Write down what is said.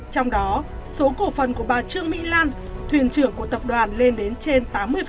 trong đó số cổ phần của bà trương mỹ lan thuyền trưởng của tập đoàn lên đến trên tám mươi